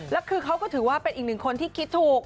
แล้วคือเขาก็ถือว่าเป็นอีกหนึ่งคนที่คิดถูก